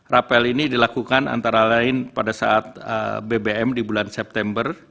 rapel ini dilakukan antara lain pada saat bbm di bulan september